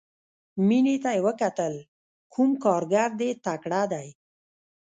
مينې ته يې وکتل کوم کارګر دې تکړه دى.